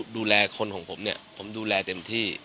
ดูแลคนของผมผมดูแลเต็มที่